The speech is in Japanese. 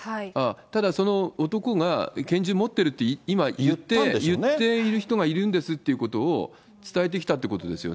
ただ、その男が拳銃持ってるって今、言っている人がいるんですということを伝えてきたってことですよ